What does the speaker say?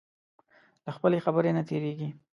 له خپلې خبرې نه تېرېږي.